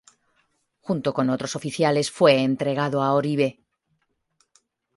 Junto con otros oficiales fue entregado a Oribe.